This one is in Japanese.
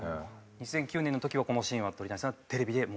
２００９年の時はこのシーンは鳥谷さんはテレビでもう。